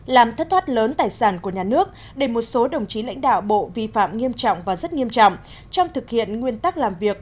làm thất thoát lớn tài sản của nhà nước để một số đồng chí lãnh đạo bộ vi phạm nghiêm trọng và rất nghiêm trọng trong thực hiện nguyên tắc làm việc